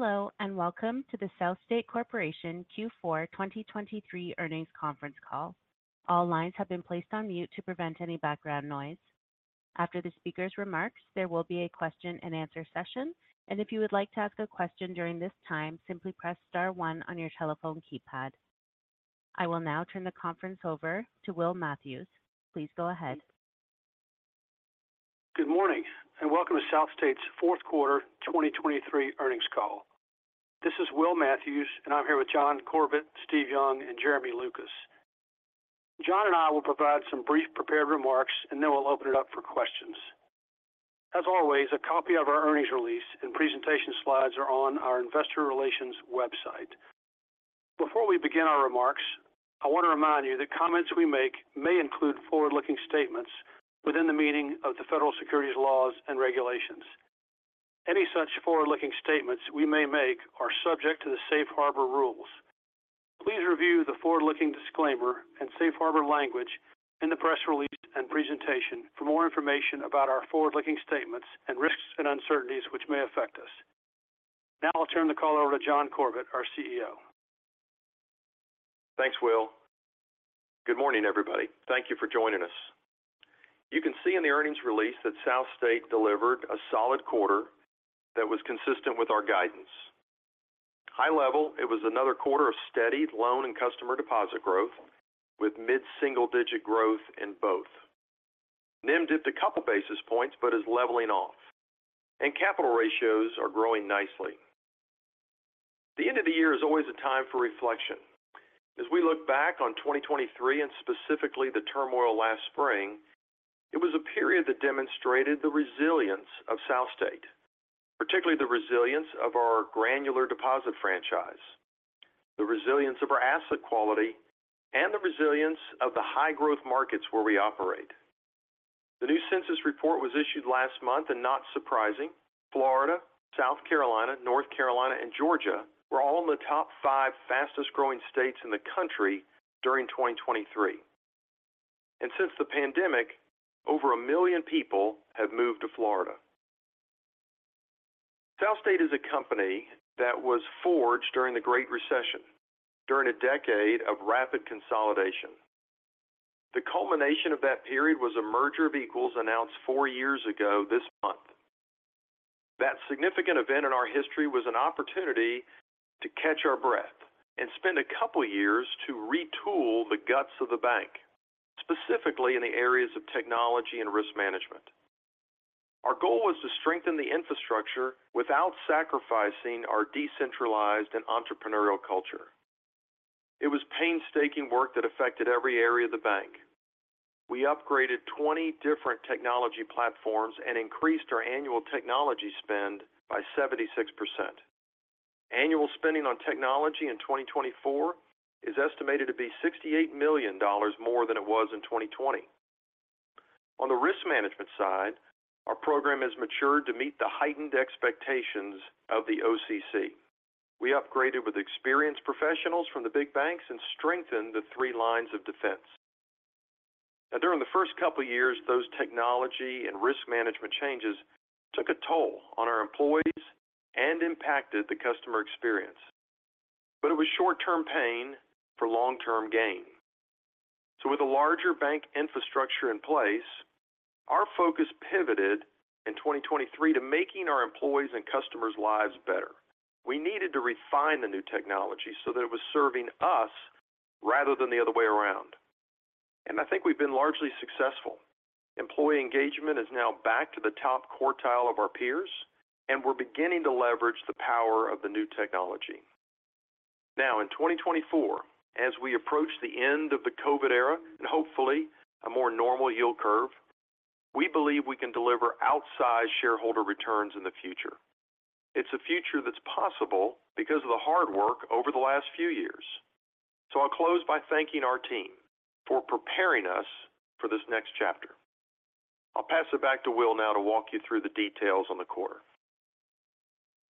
Hello, and welcome to the SouthState Corporation Q4 2023 earnings conference call. All lines have been placed on mute to prevent any background noise. After the speaker's remarks, there will be a question and answer session, and if you would like to ask a question during this time, simply press star one on your telephone keypad. I will now turn the conference over to Will Matthews. Please go ahead. Good morning, and welcome to SouthState's fourth quarter 2023 earnings call. This is Will Matthews, and I'm here with John Corbett, Steve Young, and Jeremy Lucas. John and I will provide some brief prepared remarks, and then we'll open it up for questions. As always, a copy of our earnings release and presentation slides are on our investor relations website. Before we begin our remarks, I want to remind you that comments we make may include forward-looking statements within the meaning of the federal securities laws and regulations. Any such forward-looking statements we may make are subject to the safe harbor rules. Please review the forward-looking disclaimer and safe harbor language in the press release and presentation for more information about our forward-looking statements and risks and uncertainties which may affect us. Now I'll turn the call over to John Corbett, our CEO. Thanks, Will. Good morning, everybody. Thank you for joining us. You can see in the earnings release that SouthState delivered a solid quarter that was consistent with our guidance. High level, it was another quarter of steady loan and customer deposit growth with mid-single-digit growth in both. NIM dipped a couple basis points but is leveling off, and capital ratios are growing nicely. The end of the year is always a time for reflection. As we look back on 2023, and specifically the turmoil last spring, it was a period that demonstrated the resilience of SouthState, particularly the resilience of our granular deposit franchise, the resilience of our asset quality, and the resilience of the high-growth markets where we operate. The new census report was issued last month, and not surprising, Florida, South Carolina, North Carolina, and Georgia were all in the top five fastest-growing states in the country during 2023. Since the pandemic, over a million people have moved to Florida. SouthState is a company that was forged during the Great Recession, during a decade of rapid consolidation. The culmination of that period was a merger of equals, announced four years ago this month. That significant event in our history was an opportunity to catch our breath and spend a couple of years to retool the guts of the bank, specifically in the areas of technology and risk management. Our goal was to strengthen the infrastructure without sacrificing our decentralized and entrepreneurial culture. It was painstaking work that affected every area of the bank. We upgraded 20 different technology platforms and increased our annual technology spend by 76%. Annual spending on technology in 2024 is estimated to be $68 million more than it was in 2020. On the risk management side, our program has matured to meet the heightened expectations of the OCC. We upgraded with experienced professionals from the big banks and strengthened the three lines of defense. Now, during the first couple of years, those technology and risk management changes took a toll on our employees and impacted the customer experience. But it was short-term pain for long-term gain. So with a larger bank infrastructure in place, our focus pivoted in 2023 to making our employees' and customers' lives better. We needed to refine the new technology so that it was serving us rather than the other way around, and I think we've been largely successful. Employee engagement is now back to the top quartile of our peers, and we're beginning to leverage the power of the new technology. Now, in 2024, as we approach the end of the COVID era and hopefully a more normal yield curve, we believe we can deliver outsized shareholder returns in the future. It's a future that's possible because of the hard work over the last few years. So I'll close by thanking our team for preparing us for this next chapter. I'll pass it back to Will now to walk you through the details on the quarter.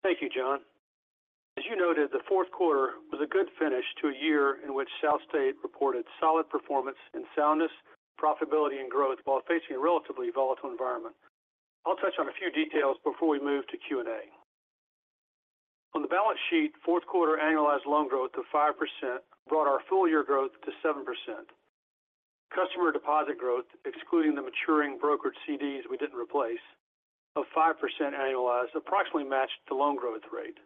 Thank you, John. As you noted, the fourth quarter was a good finish to a year in which SouthState reported solid performance in soundness, profitability, and growth while facing a relatively volatile environment. I'll touch on a few details before we move to Q&A. On the balance sheet, fourth quarter annualized loan growth of 5% brought our full year growth to 7%. Customer deposit growth, excluding the maturing brokered CDs we didn't replace, of 5% annualized, approximately matched the loan growth rate.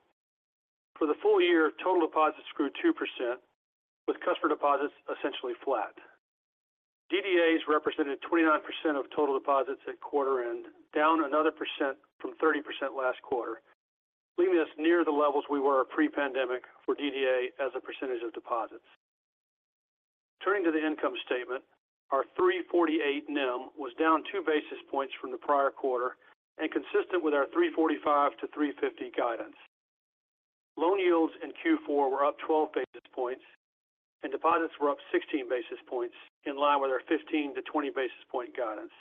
For the full year, total deposits grew 2%, with customer deposits essentially flat. DDAs represented 29% of total deposits at quarter end, down another 1% from 30% last quarter, leaving us near the levels we were pre-pandemic for DDA as a percentage of deposits. Turning to the income statement, our 3.48 NIM was down 2 basis points from the prior quarter and consistent with our 3.45-3.50 guidance. Loan yields in Q4 were up 12 basis points, and deposits were up 16 basis points, in line with our 15-20 basis point guidance.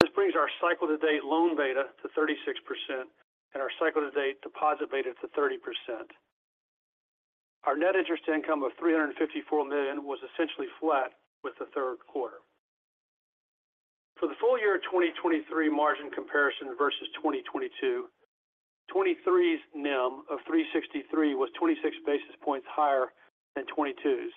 This brings our cycle to date loan beta to 36% and our cycle to date deposit beta to 30%. Our net interest income of $354 million was essentially flat with the third quarter.... For the full year 2023 margin comparison versus 2022, 2023's NIM of 3.63 was 26 basis points higher than 2022's,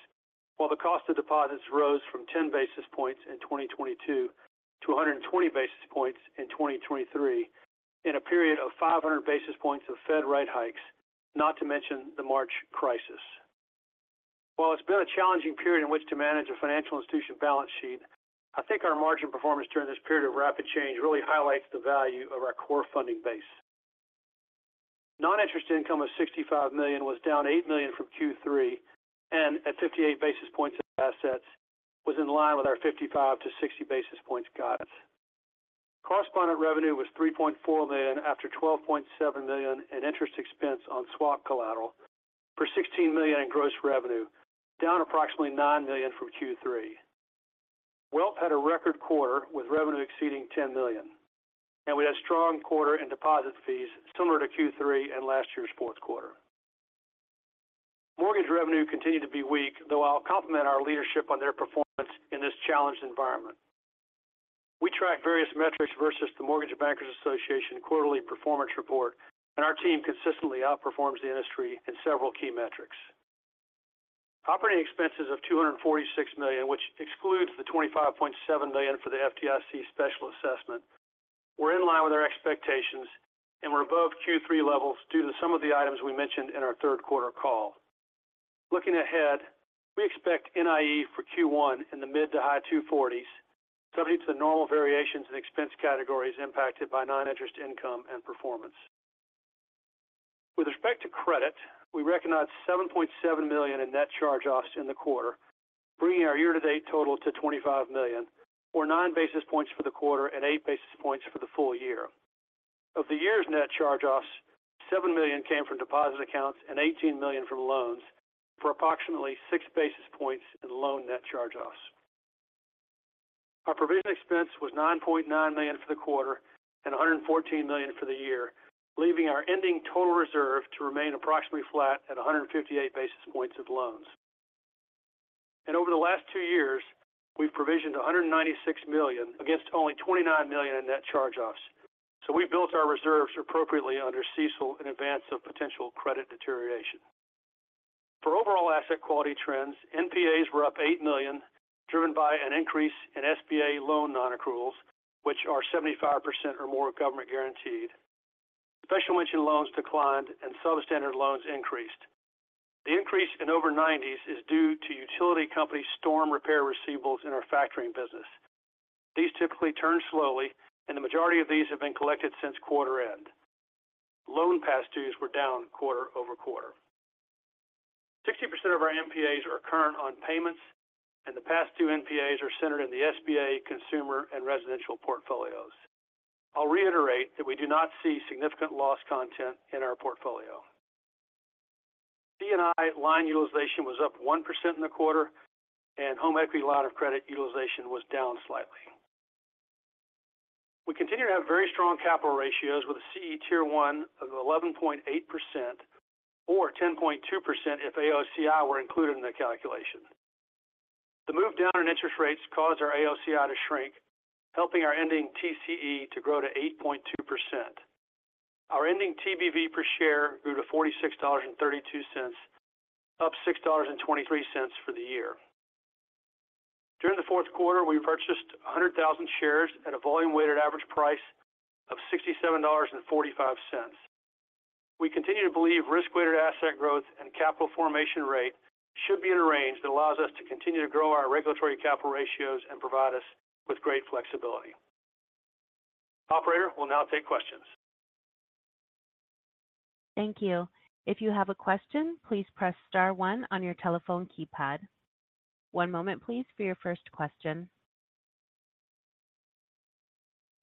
while the cost of deposits rose from 10 basis points in 2022 to 120 basis points in 2023, in a period of 500 basis points of Fed rate hikes, not to mention the March crisis. While it's been a challenging period in which to manage a financial institution balance sheet, I think our margin performance during this period of rapid change really highlights the value of our core funding base. Non-interest income of $65 million was down $8 million from Q3, and at 58 basis points of assets, was in line with our 55-60 basis points guidance. Correspondent revenue was $3.4 million, after $12.7 million in interest expense on swap collateral for $16 million in gross revenue, down approximately $9 million from Q3. Wealth had a record quarter with revenue exceeding $10 million, and we had a strong quarter in deposit fees similar to Q3 and last year's fourth quarter. Mortgage revenue continued to be weak, though I'll compliment our leadership on their performance in this challenged environment. We track various metrics versus the Mortgage Bankers Association quarterly performance report, and our team consistently outperforms the industry in several key metrics. Operating expenses of $246 million, which excludes the $25.7 million for the FDIC special assessment, were in line with our expectations, and we're above Q3 levels due to some of the items we mentioned in our third quarter call. Looking ahead, we expect NIE for Q1 in the mid- to high 240s, subject to the normal variations in expense categories impacted by non-interest income and performance. With respect to credit, we recognized $7.7 million in net charge-offs in the quarter, bringing our year-to-date total to $25 million, or nine basis points for the quarter and eight basis points for the full year. Of the year's net charge-offs, $7 million came from deposit accounts and $18 million from loans, for approximately six basis points in loan net charge-offs. Our provision expense was $9.9 million for the quarter and $114 million for the year, leaving our ending total reserve to remain approximately flat at 158 basis points of loans. Over the last two years, we've provisioned $196 million against only $29 million in net charge-offs. We built our reserves appropriately under CECL in advance of potential credit deterioration. For overall asset quality trends, NPAs were up $8 million, driven by an increase in SBA loan nonaccruals, which are 75% or more government guaranteed. Special mention loans declined and substandard loans increased. The increase in over nineties is due to utility company storm repair receivables in our factoring business. These typically turn slowly, and the majority of these have been collected since quarter-end. Loan past dues were down quarter-over-quarter. 60% of our NPAs are current on payments, and the past due NPAs are centered in the SBA, consumer, and residential portfolios. I'll reiterate that we do not see significant loss content in our portfolio. C&I line utilization was up 1% in the quarter, and home equity line of credit utilization was down slightly. We continue to have very strong capital ratios with a CET1 of 11.8% or 10.2% if AOCI were included in the calculation. The move down in interest rates caused our AOCI to shrink, helping our ending TCE to grow to 8.2%. Our ending TBV per share grew to $46.32, up $6.23 for the year. During the fourth quarter, we purchased 100,000 shares at a volume-weighted average price of $67.45. We continue to believe risk-weighted asset growth and capital formation rate should be in a range that allows us to continue to grow our regulatory capital ratios and provide us with great flexibility. Operator, we'll now take questions. Thank you. If you have a question, please press star one on your telephone keypad. One moment, please, for your first question.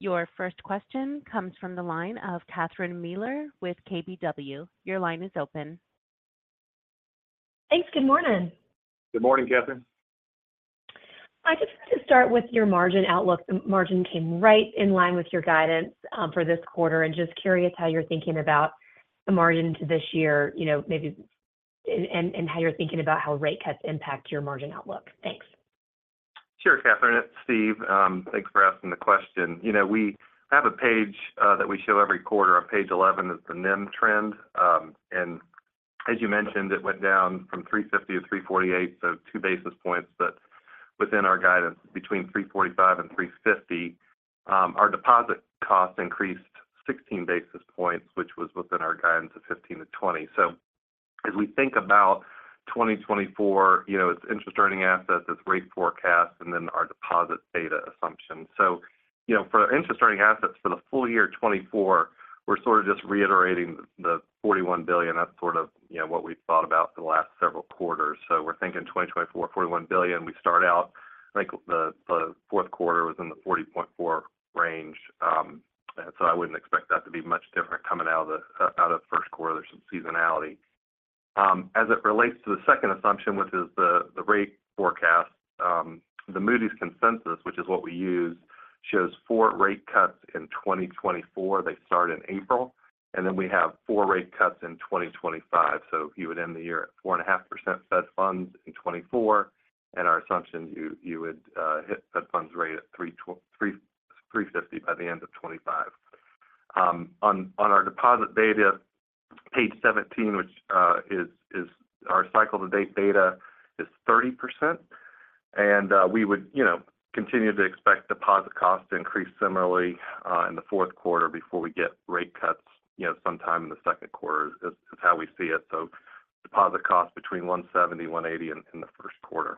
Your first question comes from the line of Catherine Mealor with KBW. Your line is open. Thanks. Good morning. Good morning, Kathryn. I just want to start with your margin outlook. The margin came right in line with your guidance for this quarter, and just curious how you're thinking about the margin into this year, you know, maybe and how you're thinking about how rate cuts impact your margin outlook. Thanks. Sure, Kathryn, it's Steve. Thanks for asking the question. You know, we have a page that we show every quarter. On Page 11, it's the NIM trend, and as you mentioned, it went down from 3.50 to 3.48, so two basis points, but within our guidance, between 3.45 and 3.50. Our deposit cost increased 16 basis points, which was within our guidance of 15-20. So as we think about 2024, you know, it's interest-earning assets, it's rate forecast, and then our deposit beta assumption. So, you know, for the interest-earning assets for the full year 2024, we're sort of just reiterating the $41 billion. That's sort of, you know, what we've thought about for the last several quarters. So we're thinking 2024, $41 billion. We start out, I think the fourth quarter was in the 40.4 range, and so I wouldn't expect that to be much different coming out of the first quarter. There's some seasonality. As it relates to the second assumption, which is the rate forecast, the Moody's consensus, which is what we use, shows four rate cuts in 2024. They start in April, and then we have four rate cuts in 2025. So you would end the year at 4.5% Fed funds in 2024, and our assumption, you would hit Fed funds rate at 3.35 by the end of 2025. On our deposit beta, Page 17, which is our cycle-to-date data, is 30%. And we would, you know, continue to expect deposit costs to increase similarly in the fourth quarter before we get rate cuts, you know, sometime in the second quarter is how we see it. So deposit costs between 170 and 180 in the first quarter.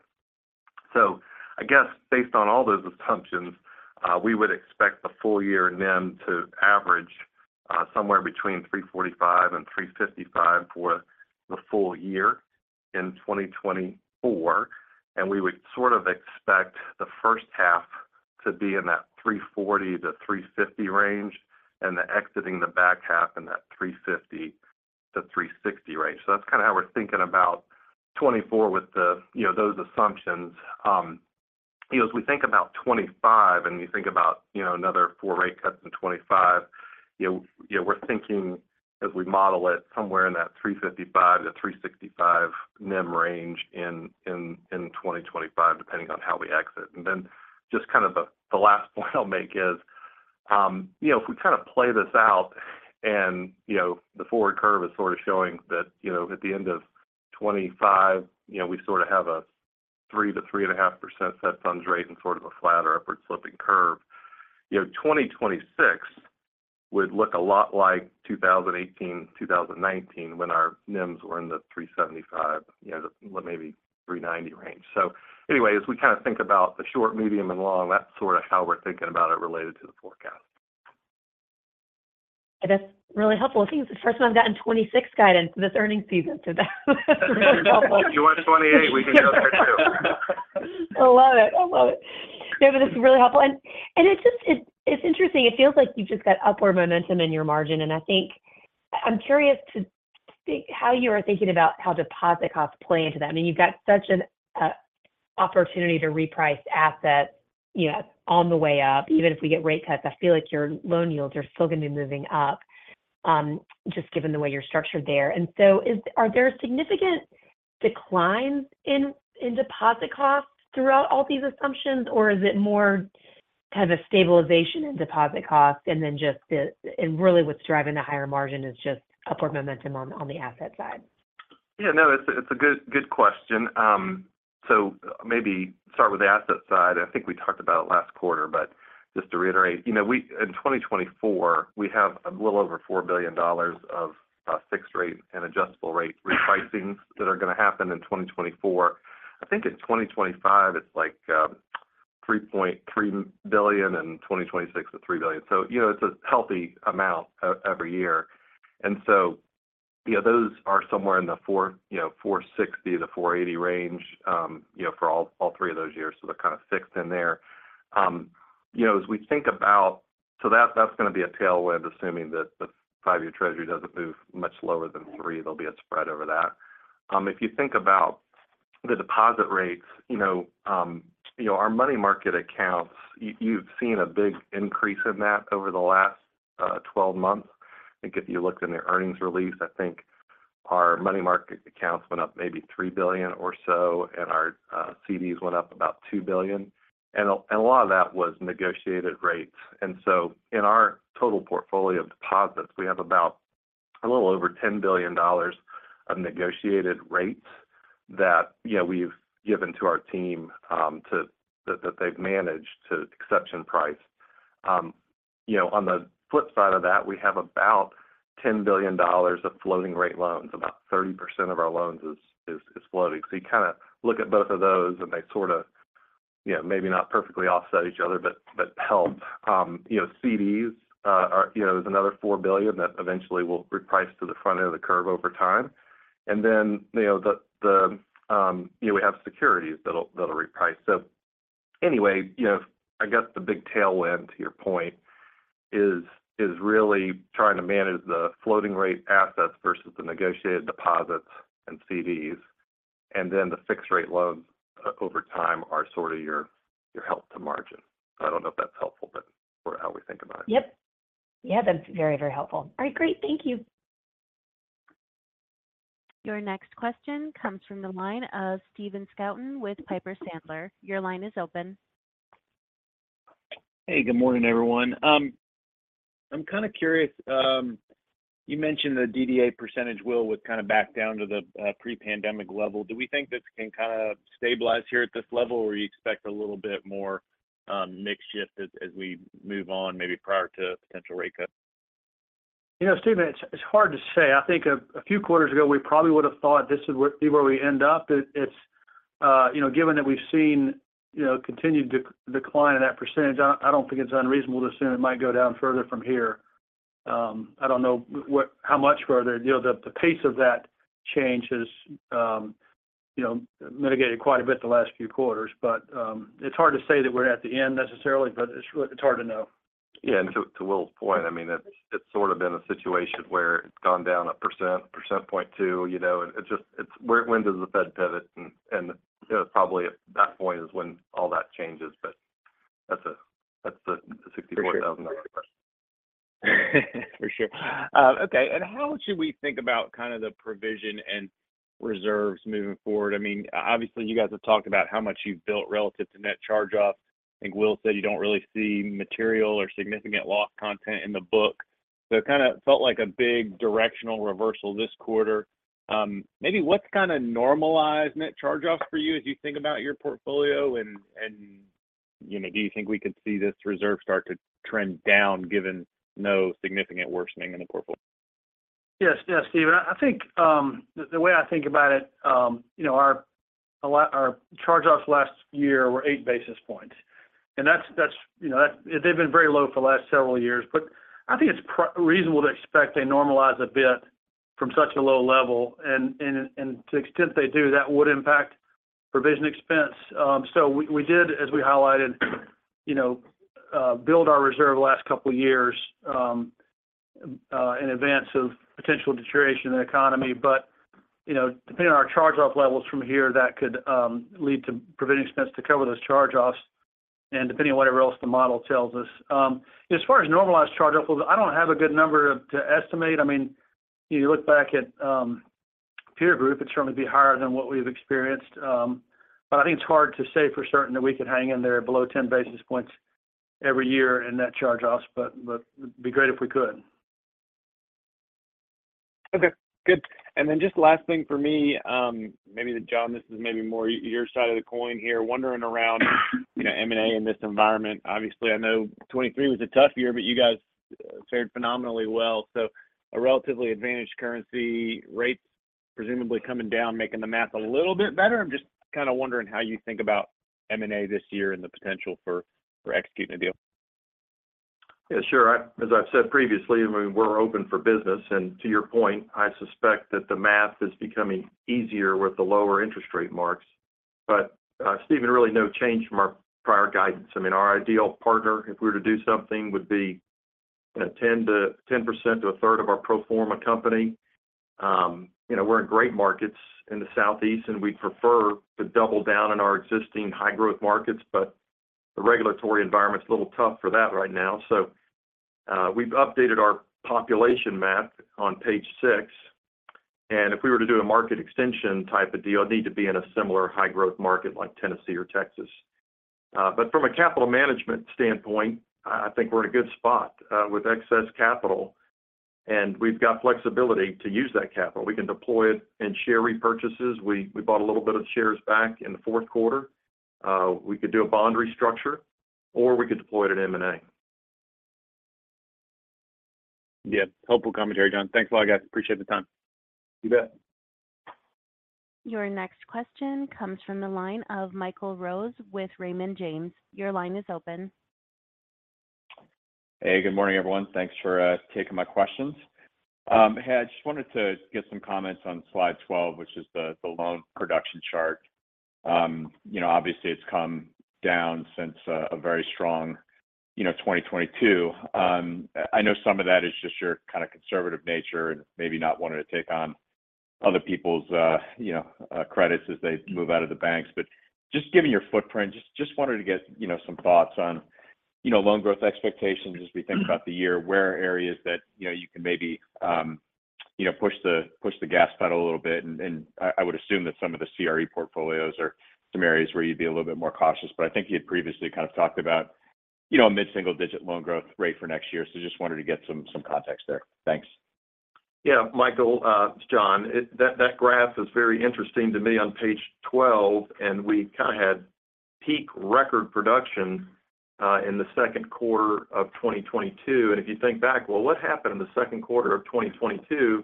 So I guess based on all those assumptions, we would expect the full year NIM to average somewhere between 3.45% and 3.55% for the full year in 2024. And we would sort of expect the first half to be in that 3.40%-3.50% range and the exiting the back half in that 3.50%-3.60% range. So that's kind of how we're thinking about 2024 with the, you know, those assumptions. You know, as we think about 2025 and we think about, you know, another four rate cuts in 2025, you know, you know, we're thinking as we model it, somewhere in that 3.55-3.65-NIM range in 2025, depending on how we exit. And then just kind of the last point I'll make is, you know, if we kind of play this out and, you know, the forward curve is sort of showing that, you know, at the end of 2025, you know, we sort of have a 3-3.5% Fed Funds Rate and sort of a flatter upward-sloping curve. You know, 2026 would look a lot like 2018, 2019, when our NIMs were in the 3.75, you know, maybe 3.90 range. Anyway, as we kind of think about the short, medium, and long, that's sort of how we're thinking about it related to the forecast. That's really helpful. I think it's the first time I've gotten 26 guidance this earnings season, so that is really helpful. If you want 28, we can go there, too. I love it. I love it. Yeah, but this is really helpful. And it's interesting, it feels like you've just got upward momentum in your margin. And I think I'm curious to think how you are thinking about how deposit costs play into that. I mean, you've got such an opportunity to reprice assets, you know, on the way up. Even if we get rate cuts, I feel like your loan yields are still going to be moving up, just given the way you're structured there. And so are there significant declines in deposit costs throughout all these assumptions, or is it more kind of a stabilization in deposit costs and then really, what's driving the higher margin is just upward momentum on the asset side? Yeah, no, it's a, it's a good, good question. So maybe start with the asset side. I think we talked about it last quarter, but just to reiterate, you know, we in 2024, we have a little over $4 billion of fixed rate and adjustable rate repricings that are going to happen in 2024. I think in 2025, it's like $3.3 billion, in 2026, it's $3 billion. So, you know, it's a healthy amount every year. And so, you know, those are somewhere in the 460-480 range, you know, for all three of those years. So they're kind of fixed in there. You know, as we think about—so that's going to be a tailwind, assuming that the five-year treasury doesn't move much lower than three. There'll be a spread over that. If you think about the deposit rates, you know, you know, our money market accounts, you've seen a big increase in that over the last 12 months. I think if you looked in the earnings release, I think our money market accounts went up maybe $3 billion or so, and our CDs went up about $2 billion, and a lot of that was negotiated rates. So in our total portfolio of deposits, we have about a little over $10 billion of negotiated rates that, you know, we've given to our team, that they've managed to exception price. You know, on the flip side of that, we have about $10 billion of floating rate loans. About 30% of our loans is floating. So you kind of look at both of those, and they sort of, you know, maybe not perfectly offset each other, but help. You know, CDs are, you know, there's another $4 billion that eventually will reprice to the front end of the curve over time. And then, you know, we have securities that'll reprice. So anyway, you know, I guess the big tailwind, to your point, is really trying to manage the floating rate assets versus the negotiated deposits and CDs, and then the fixed rate loans over time are sort of your help to margin. I don't know if that's helpful, but for how we think about it. Yep. Yeah, that's very, very helpful. All right, great. Thank you. Your next question comes from the line of Stephen Scouten with Piper Sandler. Your line is open. Hey, good morning, everyone. I'm kind of curious, you mentioned the DDA percentage will kind of back down to the pre-pandemic level. Do we think this can kind of stabilize here at this level, or you expect a little bit more mix shift as we move on, maybe prior to potential rate cuts? You know, Stephen, it's hard to say. I think a few quarters ago, we probably would have thought this would be where we end up. It's you know, given that we've seen, you know, continued decline in that percentage, I don't think it's unreasonable to assume it might go down further from here. I don't know how much further. You know, the pace of that change has you know, mitigated quite a bit the last few quarters, but it's hard to say that we're at the end necessarily, but it's hard to know. Yeah, and to Will's point, I mean, it's sort of been a situation where it's gone down 1.2 percentage points, you know, it's just when does the Fed pivot? And you know, probably at that point is when all that changes, but that's the $64,000 question. For sure. Okay, and how should we think about kind of the provision and reserves moving forward? I mean, obviously, you guys have talked about how much you've built relative to net charge-off. I think Will said you don't really see material or significant loss content in the book. So it kind of felt like a big directional reversal this quarter. Maybe what's kind of normalized net charge-off for you as you think about your portfolio and, you know, do you think we could see this reserve start to trend down, given no significant worsening in the portfolio? Yes, yes, Stephen. I think the way I think about it, you know, our charge-offs last year were eight basis points, and that's, you know, they've been very low for the last several years. But I think it's reasonable to expect they normalize a bit from such a low level, and to the extent they do, that would impact provision expense. So we did, as we highlighted, you know, build our reserve the last couple of years in advance of potential deterioration in the economy. But, you know, depending on our charge-off levels from here, that could lead to provision expense to cover those charge-offs, and depending on whatever else the model tells us. As far as normalized charge-offs, well, I don't have a good number to estimate. I mean, you look back at peer group, it's going to be higher than what we've experienced. But I think it's hard to say for certain that we could hang in there below 10 basis points every year in net charge-offs, but, but it'd be great if we could. Okay, good. And then just last thing for me, maybe to John, this is maybe more your side of the coin here: wondering about you know, M&A in this environment. Obviously, I know 2023 was a tough year, but you guys fared phenomenally well. So a relatively advantaged currency rates presumably coming down, making the math a little bit better. I'm just kind of wondering how you think about M&A this year and the potential for executing a deal. Yeah, sure. As I've said previously, I mean, we're open for business, and to your point, I suspect that the math is becoming easier with the lower interest rate marks. But, Stephen, really no change from our prior guidance. I mean, our ideal partner, if we were to do something, would be, you know, 10% to a third of our pro forma company. You know, we're in great markets in the Southeast, and we'd prefer to double down on our existing high-growth markets, but the regulatory environment is a little tough for that right now. So, we've updated our population map on page six, and if we were to do a market extension type of deal, it'd need to be in a similar high-growth market like Tennessee or Texas. But from a capital management standpoint, I think we're in a good spot, with excess capital, and we've got flexibility to use that capital. We can deploy it in share repurchases. We bought a little bit of shares back in the fourth quarter. We could do a bond restructure, or we could deploy it in M&A. Yeah. Helpful commentary, John. Thanks a lot, guys. Appreciate the time. You bet. Your next question comes from the line of Michael Rose with Raymond James. Your line is open. Hey, good morning, everyone. Thanks for taking my questions. Hey, I just wanted to get some comments on slide 12, which is the loan production chart. You know, obviously, it's come down since a very strong, you know, 2022. I know some of that is just your kind of conservative nature and maybe not wanting to take on other people's, you know, credits as they move out of the banks. But just given your footprint, just wanted to get, you know, some thoughts on, you know, loan growth expectations as we think about the year. Where are areas that, you know, you can maybe, you know, push the gas pedal a little bit, and I would assume that some of the CRE portfolios are some areas where you'd be a little bit more cautious. But I think you had previously kind of talked about, you know, a mid-single-digit loan growth rate for next year. So just wanted to get some context there. Thanks. Yeah, Michael, it's John. That graph is very interesting to me on Page 12, and we kind of had peak record production in the second quarter of 2022. And if you think back, well, what happened in the second quarter of 2022?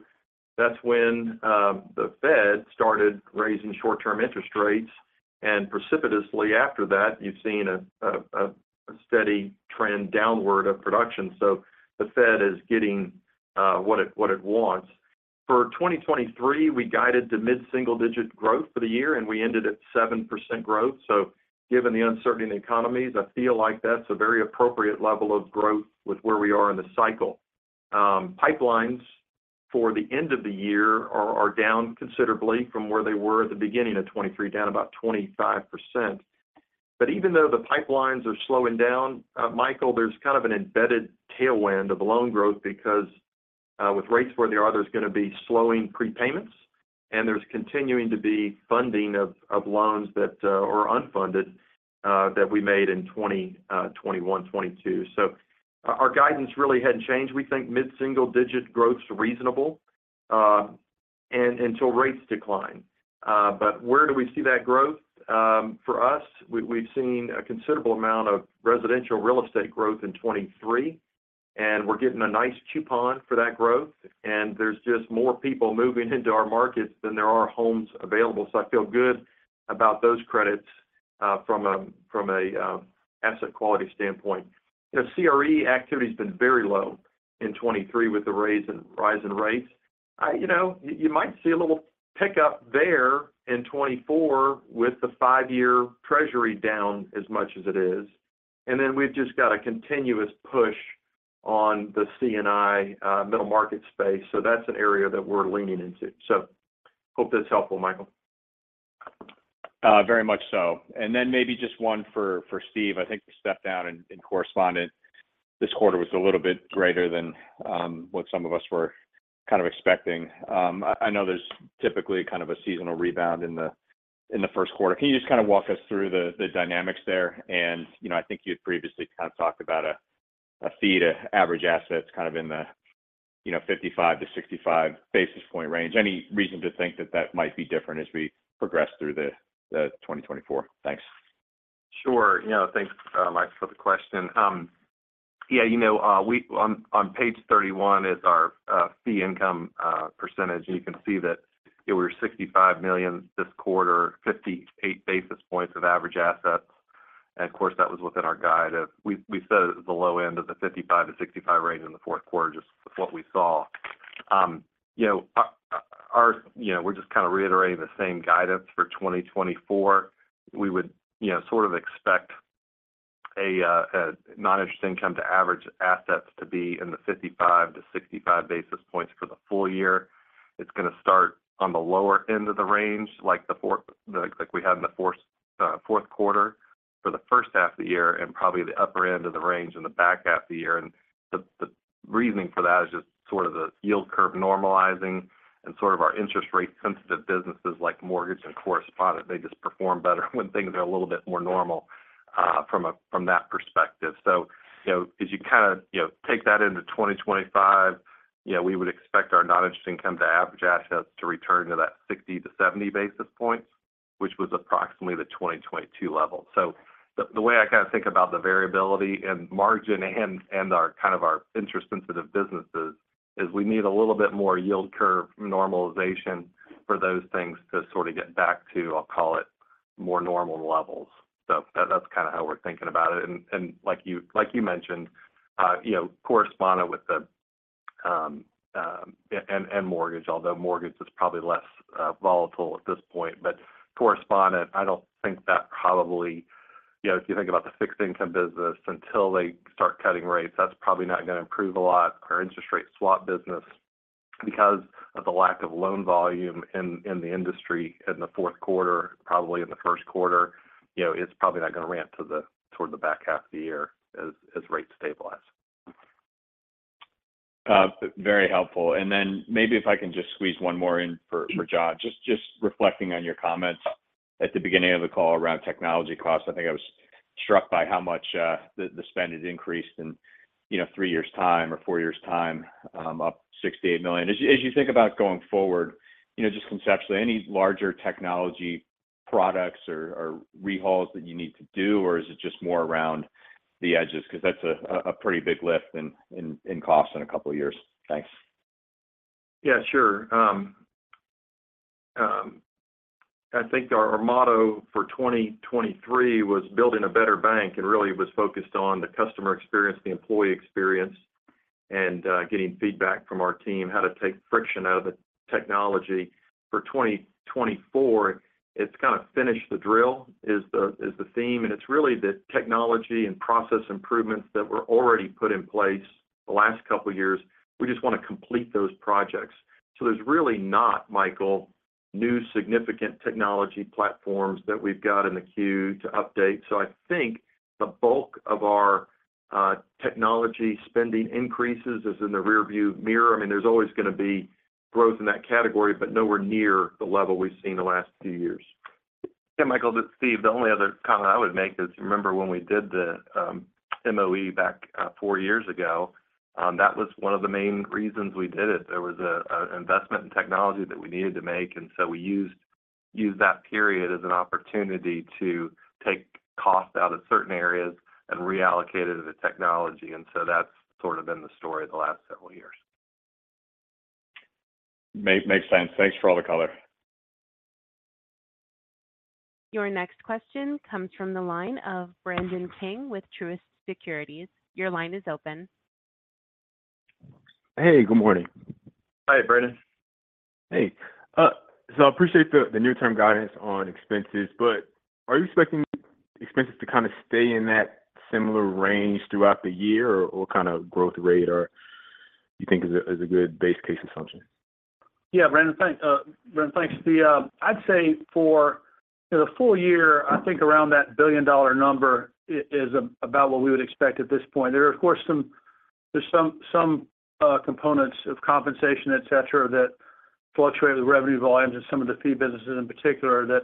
That's when the Fed started raising short-term interest rates, and precipitously after that, you've seen a steady trend downward of production. So the Fed is getting what it wants. For 2023, we guided to mid-single-digit growth for the year, and we ended at 7% growth. So given the uncertainty in the economies, I feel like that's a very appropriate level of growth with where we are in the cycle. Pipelines for the end of the year are down considerably from where they were at the beginning of 2023, down about 25%. But even though the pipelines are slowing down, Michael, there's kind of an embedded tailwind of loan growth because, with rates where they are, there's going to be slowing prepayments, and there's continuing to be funding of, of loans that are unfunded, that we made in 2021, 2022. So our guidance really hadn't changed. We think mid-single-digit growth's reasonable, and until rates decline. But where do we see that growth? For us, we've seen a considerable amount of residential real estate growth in 2023, and we're getting a nice coupon for that growth, and there's just more people moving into our markets than there are homes available. So I feel good about those credits, from an asset quality standpoint. You know, CRE activity's been very low in 2023 with the rise in rates. You know, you might see a little pick-up there in 2024 with the five-year Treasury down as much as it is, and then we've just got a continuous push on the C&I, middle market space. So that's an area that we're leaning into. So hope that's helpful, Michael.... Very much so. And then maybe just one for, for Steve. I think the step down in, in correspondent this quarter was a little bit greater than what some of us were kind of expecting. I know there's typically kind of a seasonal rebound in the, in the first quarter. Can you just kind of walk us through the, the dynamics there? And, you know, I think you had previously kind of talked about a, a fee to average assets kind of in the, you know, 55-65 basis point range. Any reason to think that that might be different as we progress through the 2024? Thanks. Sure. You know, thanks, Mike, for the question. Yeah, you know, we on Page 31 is our fee income percentage, and you can see that it was $65 million this quarter, 58 basis points of average assets. And of course, that was within our guide of... We said it was the low end of the 55-65 range in the fourth quarter, just with what we saw. You know, our, you know, we're just kind of reiterating the same guidance for 2024. We would, you know, sort of expect a non-interest income to average assets to be in the 55-65 basis points for the full year. It's gonna start on the lower end of the range, like we had in the fourth quarter, for the first half of the year, and probably the upper end of the range in the back half of the year. The reasoning for that is just sort of the yield curve normalizing and sort of our interest rate-sensitive businesses like mortgage and correspondent. They just perform better when things are a little bit more normal from that perspective. So, you know, as you kind of, you know, take that into 2025, you know, we would expect our non-interest income to average assets to return to that 60-70 basis points, which was approximately the 2022 level. So the way I kind of think about the variability and margin and our kind of our interest-sensitive businesses is we need a little bit more yield curve normalization for those things to sort of get back to, I'll call it, more normal levels. So that's kind of how we're thinking about it. And like you like you mentioned, you know, correspondent with the and mortgage, although mortgage is probably less volatile at this point. But correspondent, I don't think that probably... You know, if you think about the fixed income business, until they start cutting rates, that's probably not gonna improve a lot. Our interest rate swap business, because of the lack of loan volume in the industry in the fourth quarter, probably in the first quarter, you know, it's probably not gonna ramp toward the back half of the year as rates stabilize. Very helpful. Maybe if I can just squeeze one more in for- Sure For John. Just reflecting on your comments at the beginning of the call around technology costs, I think I was struck by how much the spend had increased in, you know, three years' time or four years' time, up $68 million. As you think about going forward, you know, just conceptually, any larger technology products or rehauls that you need to do, or is it just more around the edges? Because that's a pretty big lift in cost in a couple of years. Thanks. Yeah, sure. I think our motto for 2023 was "Building a Better Bank," and really was focused on the customer experience, the employee experience, and getting feedback from our team, how to take friction out of the technology. For 2024, it's kind of "Finish the Drill," is the theme, and it's really the technology and process improvements that were already put in place the last couple of years. We just want to complete those projects. So there's really not, Michael, new significant technology platforms that we've got in the queue to update. So I think the bulk of our technology spending increases is in the rearview mirror. I mean, there's always gonna be growth in that category, but nowhere near the level we've seen the last few years. Yeah, Michael, this is Steve. The only other comment I would make is, remember when we did the MOE back four years ago? That was one of the main reasons we did it. There was an investment in technology that we needed to make, and so we used that period as an opportunity to take cost out of certain areas and reallocate it to technology. And so that's sort of been the story the last several years. Makes sense. Thanks for all the color. Your next question comes from the line of Brandon King with Truist Securities. Your line is open. Hey, good morning. Hi, Brandon. Hey. So I appreciate the new term guidance on expenses, but are you expecting expenses to kind of stay in that similar range throughout the year? Or what kind of growth rate you think is a good base case assumption? Yeah, Brandon, thanks. Brandon, thanks. The... I'd say for the full year, I think around that billion-dollar number is about what we would expect at this point. There are, of course, some—there's some components of compensation, et cetera, that fluctuate with revenue volumes and some of the fee businesses in particular, that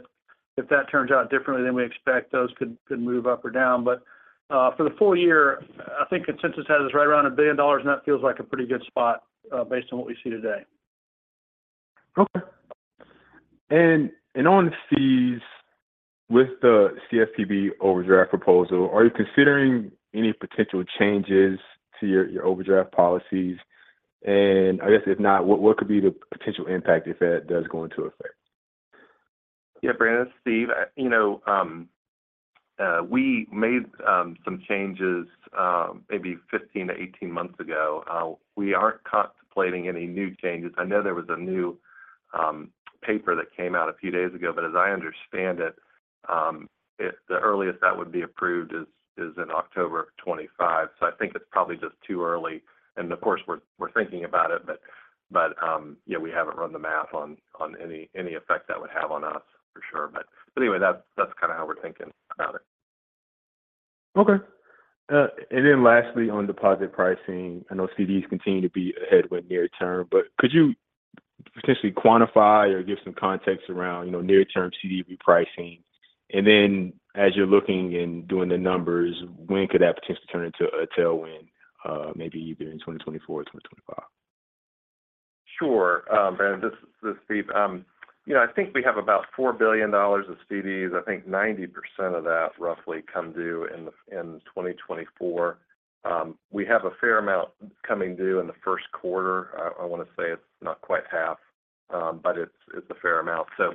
if that turns out differently than we expect, those could move up or down. But, for the full year, I think consensus has us right around $1 billion, and that feels like a pretty good spot, based on what we see today. Okay. And on fees, with the CFPB overdraft proposal, are you considering any potential changes to your overdraft policies? And I guess if not, what could be the potential impact if that does go into effect? Yeah, Brandon, it's Steve. You know, we made some changes maybe 15-18 months ago. We aren't contemplating any new changes. I know there was a new paper that came out a few days ago, but as I understand it, the earliest that would be approved is in October of 2025. So I think it's probably just too early, and of course, we're thinking about it, but—but, yeah, we haven't run the math on any effect that would have on us for sure. But anyway, that's kind of how we're thinking about it. Okay. And then lastly, on deposit pricing, I know CDs continue to be a headwind near term, but could you potentially quantify or give some context around, you know, near-term CD repricing? And then as you're looking and doing the numbers, when could that potentially turn into a tailwind, maybe either in 2024 or 2025? Sure, and this is, this is Steve. You know, I think we have about $4 billion of CDs. I think 90% of that roughly come due in 2024. We have a fair amount coming due in the first quarter. I want to say it's not quite half, but it's, it's a fair amount. So,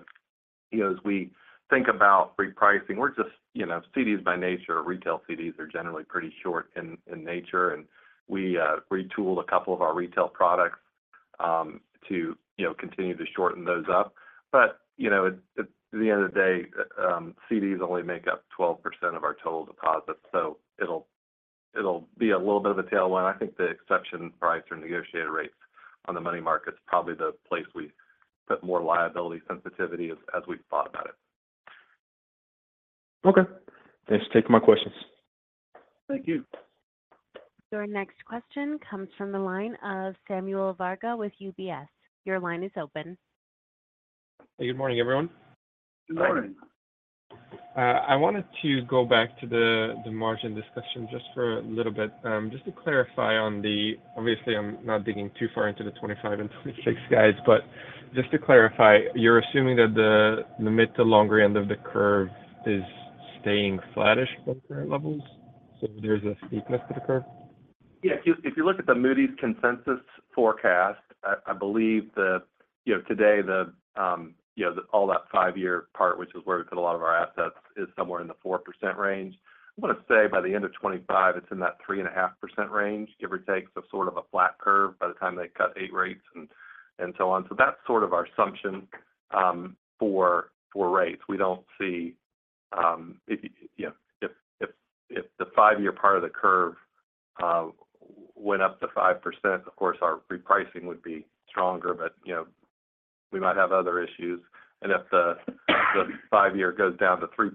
you know, as we think about repricing, we're just, you know, CDs by nature, retail CDs are generally pretty short in nature, and we, retooled a couple of our retail products, to, you know, continue to shorten those up. But, you know, at the end of the day, CDs only make up 12% of our total deposits, so it'll, it'll be a little bit of a tailwind. I think the exception price or negotiated rates on the money market is probably the place we put more liability sensitivity as we've thought about it. Okay. Thanks for taking my questions. Thank you. Your next question comes from the line of Samuel Varga with UBS. Your line is open. Good morning, everyone. Good morning. I wanted to go back to the, the margin discussion just for a little bit. Just to clarify on the, obviously, I'm not digging too far into the 2025 and 2026 guides, but just to clarify, you're assuming that the, the mid to longer end of the curve is staying flattish from current levels, so there's a steepness to the curve? Yeah. If you look at the Moody's consensus forecast, I believe that, you know, today, the five-year part, which is where we put a lot of our assets, is somewhere in the 4% range. I'm going to say by the end of 2025, it's in that 3.5% range, give or take, so sort of a flat curve by the time they cut eight rates and so on. So that's sort of our assumption for rates. We don't see if, you know, if the five-year part of the curve went up to 5%, of course, our repricing would be stronger, but, you know, we might have other issues. And if the five-year goes down to 3%,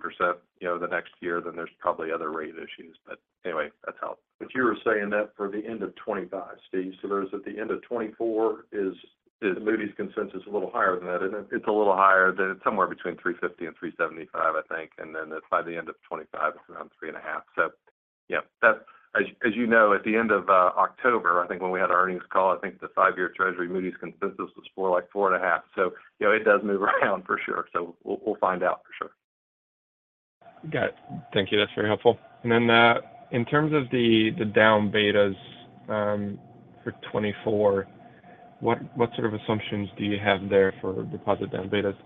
you know, the next year, then there's probably other rate issues. But anyway, that's how. But you were saying that for the end of 2025, Steve, so there's at the end of 2024 is- Yes. the Moody's consensus a little higher than that? It's a little higher. Then it's somewhere between 3.50% and 3.75%, I think, and then by the end of 2025, it's around 3.5%. So yeah, that's... As you know, at the end of October, I think, when we had our earnings call, I think the five-year Treasury Moody's consensus was for, like, 4.5%. So you know, it does move around for sure. So we'll find out for sure. Got it. Thank you. That's very helpful. And then, in terms of the down betas, for 2024, what sort of assumptions do you have there for deposit down betas?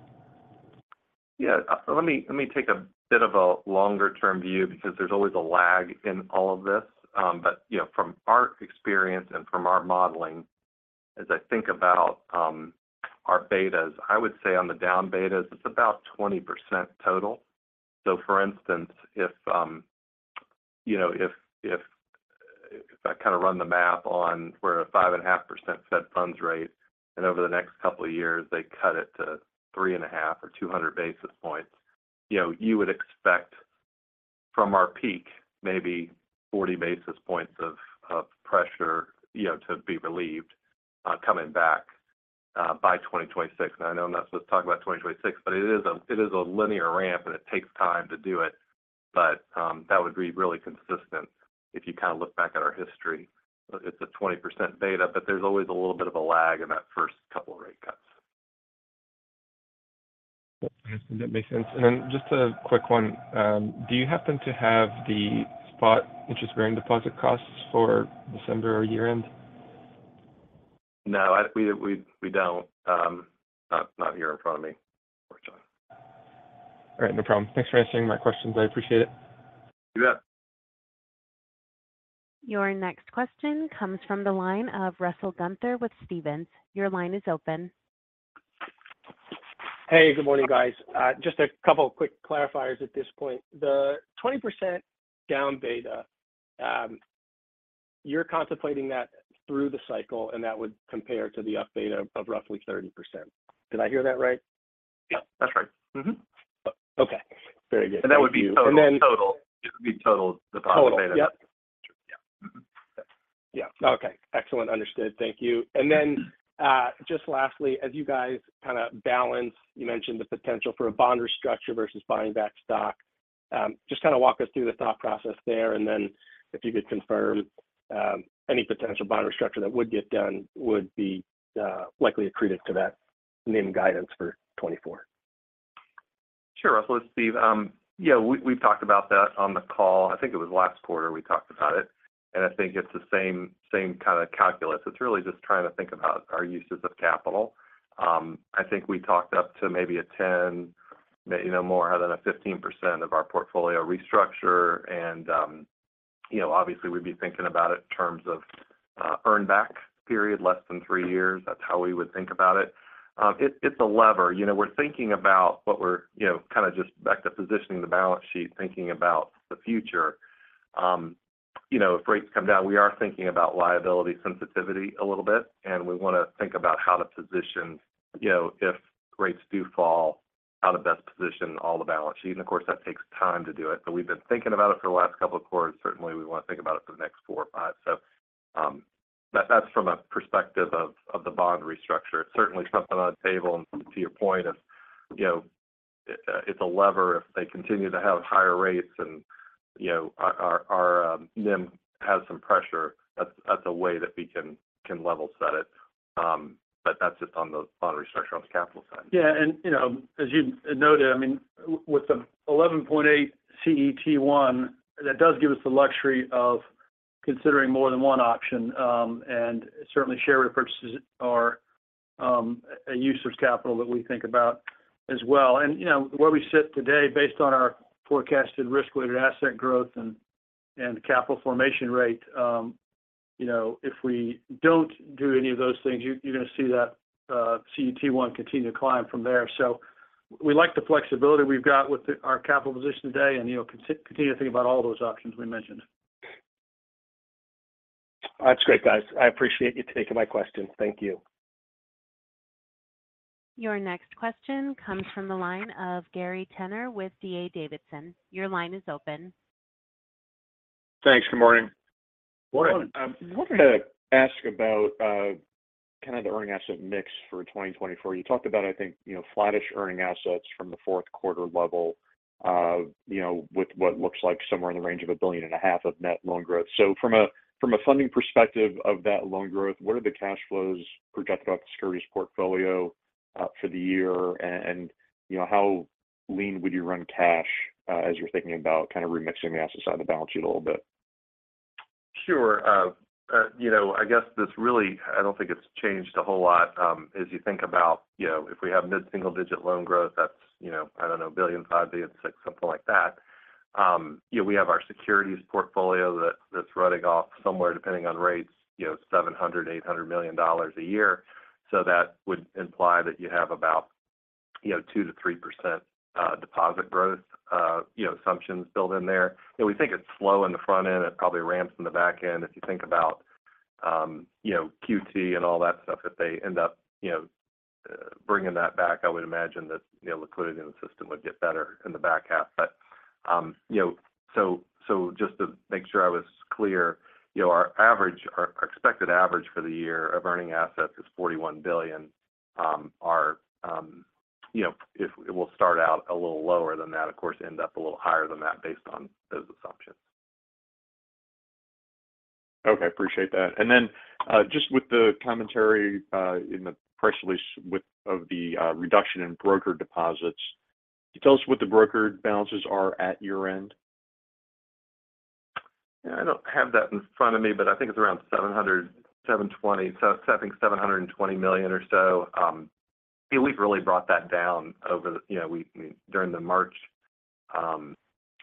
Yeah, let me, let me take a bit of a longer-term view because there's always a lag in all of this. But, you know, from our experience and from our modeling, as I think about, our betas, I would say on the down betas, it's about 20% total. So for instance, if, you know, if, if, if I kind of run the math on we're a 5.5% Fed Funds Rate, and over the next couple of years, they cut it to 3.5 or 200 basis points, you know, you would expect from our peak, maybe 40 basis points of, of pressure, you know, to be relieved, coming back, by 2026. And I know I'm not supposed to talk about 2026, but it is a linear ramp, and it takes time to do it. But that would be really consistent if you kind of look back at our history. It's a 20% beta, but there's always a little bit of a lag in that first couple of rate cuts. That makes sense. And then just a quick one: do you happen to have the spot interest rate and deposit costs for December or year-end? No, we don't. Not here in front of me, unfortunately. All right. No problem. Thanks for answering my questions. I appreciate it. See you out. Your next question comes from the line of Russell Gunther with Stephens. Your line is open. Hey, good morning, guys. Just a couple of quick clarifiers at this point. The 20% down beta, you're contemplating that through the cycle, and that would compare to the up beta of roughly 30%. Did I hear that right? Yeah, that's right. Mm-hmm. Okay. Very good. That would be total- And then- Total. It would be total deposit beta. Total, yep. Yeah. Mm-hmm. Yeah. Okay. Excellent. Understood. Thank you. And then, just lastly, as you guys kind of balance, you mentioned the potential for a bond restructure versus buying back stock. Just kind of walk us through the thought process there, and then if you could confirm, any potential bond restructure that would get done would be, likely accretive to that named guidance for 2024. Sure, Russell. It's Steve. Yeah, we, we've talked about that on the call. I think it was last quarter we talked about it, and I think it's the same, same kind of calculus. It's really just trying to think about our uses of capital. I think we talked up to maybe a 10, maybe, you know, more rather than a 15% of our portfolio restructure, and, you know, obviously, we'd be thinking about it in terms of, earn back period, less than three years. That's how we would think about it. It's, it's a lever. You know, we're thinking about what we're, you know, kind of just back to positioning the balance sheet, thinking about the future. So-... You know, if rates come down, we are thinking about liability sensitivity a little bit, and we want to think about how to position, you know, if rates do fall, how to best position all the balance sheet. And of course, that takes time to do it, but we've been thinking about it for the last couple of quarters. Certainly, we want to think about it for the next four or five. So, that, that's from a perspective of the bond restructure. It's certainly something on the table. And to your point, if, you know, it's a lever, if they continue to have higher rates and, you know, our NIM has some pressure, that's a way that we can level set it. But that's just on the bond restructure on the capital side. Yeah, and, you know, as you noted, I mean, with the 11.8 CET1, that does give us the luxury of considering more than one option. And certainly, share repurchases are a use of capital that we think about as well. And, you know, where we sit today, based on our forecasted risk-weighted asset growth and capital formation rate, you know, if we don't do any of those things, you're going to see that CET1 continue to climb from there. So we like the flexibility we've got with our capital position today, and, you know, continue to think about all those options we mentioned. That's great, guys. I appreciate you taking my questions. Thank you. Your next question comes from the line of Gary Tenner with D.A. Davidson. Your line is open. Thanks. Good morning. Morning. I wanted to ask about kind of the earning asset mix for 2024. You talked about, I think, you know, flattish earning assets from the fourth quarter level, you know, with what looks like somewhere in the range of $1.5 billion of net loan growth. So from a funding perspective of that loan growth, what are the cash flows projected off the securities portfolio for the year? And you know, how lean would you run cash as you're thinking about kind of remixing the asset side of the balance sheet a little bit? Sure. You know, I guess this really, I don't think it's changed a whole lot, as you think about, you know, if we have mid-single-digit loan growth, that's, you know, I don't know, $1.5 billion-$1.6 billion, something like that. You know, we have our securities portfolio that's running off somewhere, depending on rates, you know, $700 million-$800 million a year. So that would imply that you have about, you know, 2%-3% deposit growth, you know, assumptions built in there. You know, we think it's slow in the front end. It probably ramps in the back end. If you think about, you know, QT and all that stuff, if they end up, you know, bringing that back, I would imagine that, you know, liquidity in the system would get better in the back half. You know, so just to make sure I was clear, you know, our average, our expected average for the year of earning assets is $41 billion. You know, it will start out a little lower than that, of course, end up a little higher than that based on those assumptions. Okay, appreciate that. And then, just with the commentary in the press release of the reduction in broker deposits, can you tell us what the broker balances are at your end? Yeah, I don't have that in front of me, but I think it's around 700, 720, so I think $720 million or so. We've really brought that down over the, you know, during the March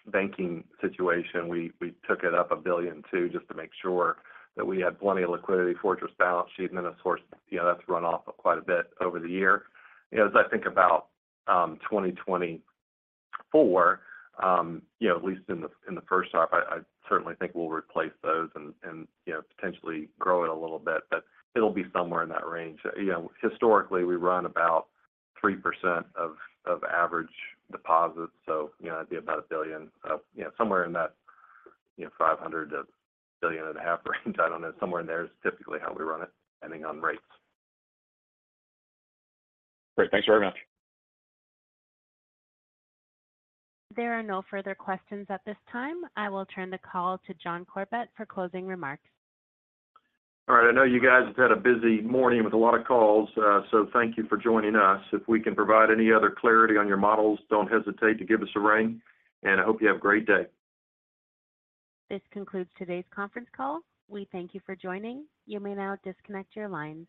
banking situation, we took it up $1 billion or $2 billion just to make sure that we had plenty of liquidity, fortress balance sheet, and then, of course, you know, that's run off quite a bit over the year. You know, as I think about 2024, you know, at least in the first half, I certainly think we'll replace those and, you know, potentially grow it a little bit, but it'll be somewhere in that range. You know, historically, we run about 3% of average deposits, so, you know, it'd be about $1 billion. So, you know, somewhere in that, you know, $500 million-$1.5 billion range, I don't know. Somewhere in there is typically how we run it, depending on rates. Great. Thanks very much. There are no further questions at this time. I will turn the call to John Corbett for closing remarks. All right. I know you guys have had a busy morning with a lot of calls, so thank you for joining us. If we can provide any other clarity on your models, don't hesitate to give us a ring, and I hope you have a great day. This concludes today's conference call. We thank you for joining. You may now disconnect your lines.